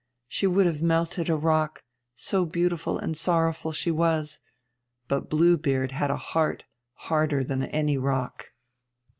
She would have melted a rock, so beautiful and sorrowful she was; but Blue Beard had a heart harder than any rock.